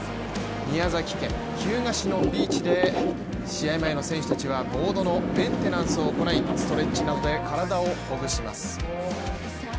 宮崎県日向市のビーチで試合前の選手たちはボードのメンテナンスを行いストレッチなどで体をほぐします。